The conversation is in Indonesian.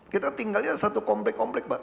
kita tinggalnya satu komplek komplek pak